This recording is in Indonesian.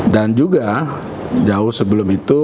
dan juga jauh sebelum itu